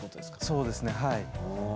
そうですねはい。